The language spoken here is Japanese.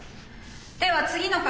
では次の方。